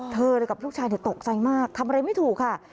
เธอกับลูกชายตกใจมากทำอะไรไม่ถูกค่ะ